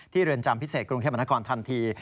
ที่เรือนจำพิเศษกรุงเทพมนตรากรทันที